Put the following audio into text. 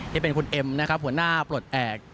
ที่เป็นคุณเอ็มผู้ห่าปลดแอบ